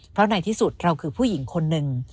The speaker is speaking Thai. เพราะในที่สุดเราคือผู้หญิงคนหนึ่ง